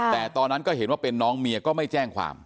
แต่ตอนนั้นก็เห็นว่าเป็นน้องเมียก็ไม่แจ้งความ